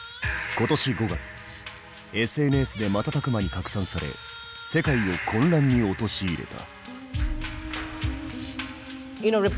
今年５月ＳＮＳで瞬く間に拡散され世界を混乱に陥れた。